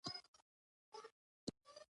هېڅوک یې مرسته ونه کړه.